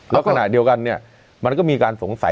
และขนาดเดียวกันก็มีการสงสัย